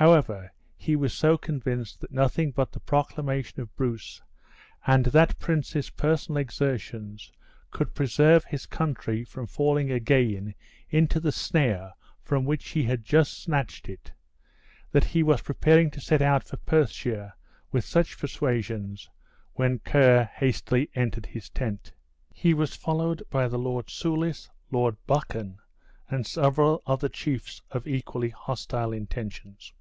However, he was so convinced that nothing but the proclamation of Bruce, and that prince's personal exertions, could preserve his country from falling again into the snare from which he had just snatched it, that he was preparing to set out for Perthshire with such persuasions, when Ker hastily entered his tent. He was followed by the Lord Soulis, Lord Buchan, and several other chiefs of equally hostile intentions.